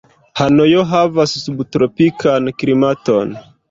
Hanojo havas subtropikan klimaton.